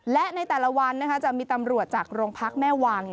และในแต่ละวันจะมีตำรวจจากโรงพักแม่วัง